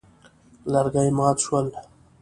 لرګي مات شول.